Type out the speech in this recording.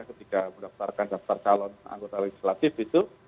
ketika mendaftarkan daftar calon anggota legislatif itu